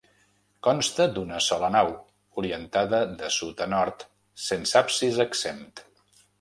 Consta d'una sola nau, orientada de sud a nord, sense absis exempt.